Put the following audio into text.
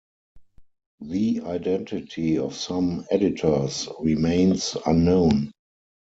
The identity of some editors remains unknown.